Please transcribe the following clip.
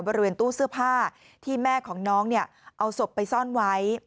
บริเวณตู้เสื้อผ้าที่แม่ของน้องเอาศพไปซ่อนไว้